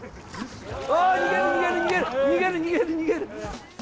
逃げる、逃げる、逃げる。